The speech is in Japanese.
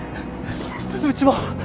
うちも。